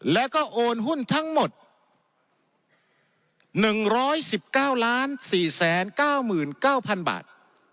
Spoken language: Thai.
แล้วก็โอนหุ้นทั้งหมด๑๑๙๔๙๙๐๐บาท